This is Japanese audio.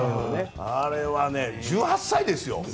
あれは、１８歳ですよ。